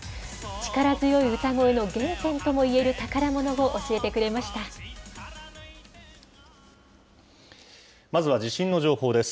力強い歌声の原点ともいえる宝もまずは地震の情報です。